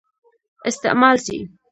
استعمال سي.